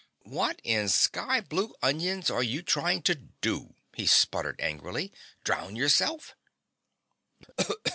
"What in skyblue onions are you trying to do?" he sputtered angrily, "Drown yourself?"